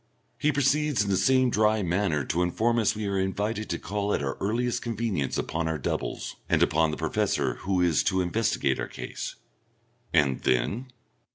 He proceeds in the same dry manner to inform us we are invited to call at our earliest convenience upon our doubles, and upon the Professor, who is to investigate our case. "And then?"